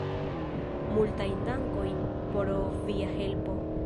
Multajn dankojn pro via helpo!